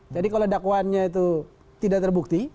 jadi kalau dakwannya itu tidak terbukti